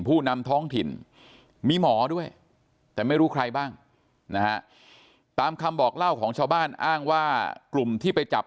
ผู้นำท้องถิ่นมีหมอด้วยแต่ไม่รู้ใครบ้างนะฮะตามคำบอกเล่าของชาวบ้านอ้างว่ากลุ่มที่ไปจับ